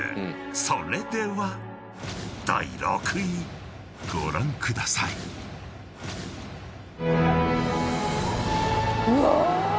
［それでは第６位ご覧ください］うわ！